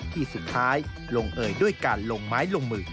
ที่สุดท้ายลงเอยด้วยการลงไม้ลงมือ